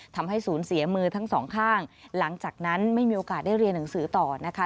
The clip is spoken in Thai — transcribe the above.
ทำให้ศูนย์เสียมือทั้งสองข้างหลังจากนั้นไม่มีโอกาสได้เรียนหนังสือต่อนะคะ